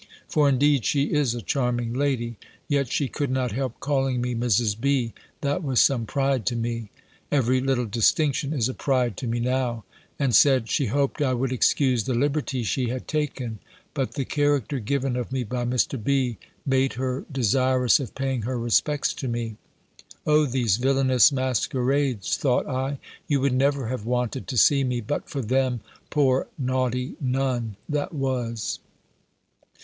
For indeed she is a charming lady; yet she could not help calling me Mrs. B., that was some pride to me: every little distinction is a pride to me now and said, she hoped I would excuse the liberty she had taken: but the character given of me by Mr. B. made her desirous of paying her respects to me. "O these villainous masquerades," thought I! "You would never have wanted to see me, but for them, poor naughty Nun, that was!"